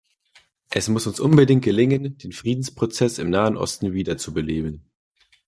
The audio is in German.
Es muss uns unbedingt gelingen, den Friedensprozess im Nahen Osten wiederzubeleben.